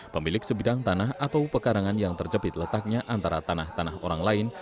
pemilik sebidang tanah atau pekarangan yang terjepit letaknya antara tanah tanah orang lain